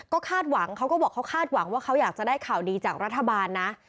ก็คาดหวังเขาก็บอกเขาคาดหวังว่าเขาอยากจะได้ข่าวดีจากรัฐบาลนะ